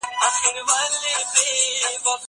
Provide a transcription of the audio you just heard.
زه بايد قلم استعمالوم کړم!